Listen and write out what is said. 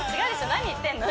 何言ってんの？